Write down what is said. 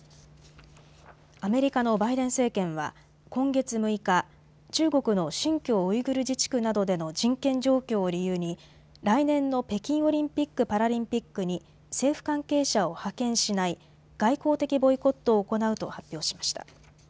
アメリカのバイデン政権は今月６日、中国の新疆ウイグル自治区などでの人権状況を理由に来年の北京オリンピック・パラリンピックに政府関係者を派遣しない外交的ボイコットを行うと発表しました。